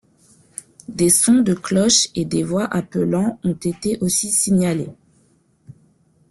Des sons de cloches et des voix appelant ont été aussi signalés.